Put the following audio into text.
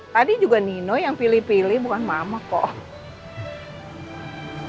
tadi juga nino yang pilih pilih bukan mama kok